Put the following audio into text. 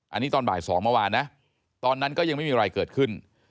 อันนี้ตอนบ่าย๒เมื่อวานนะตอนนั้นก็ยังไม่มีอะไรเกิดขึ้น